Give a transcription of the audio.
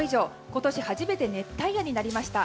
今年初めて熱帯夜になりました。